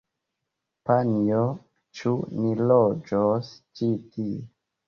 Panjo, ĉu ni loĝos ĉi tie?